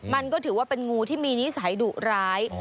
มันก็ถือว่าเป็นงูที่มีนิสัยดุร้าย